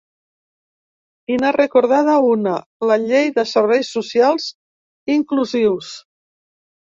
I n’ha recordada una: la llei de serveis socials inclusius.